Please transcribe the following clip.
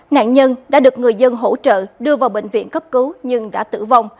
nạn nhân đã được người dân hỗ trợ đưa vào bệnh viện cấp cứu nhưng đã tử vong